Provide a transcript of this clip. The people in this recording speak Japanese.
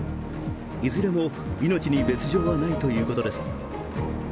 いずれも命に別状はないということです。